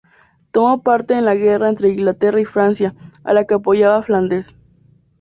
Tomó parte en la guerra entre Inglaterra y Francia, a la que apoyaba Flandes.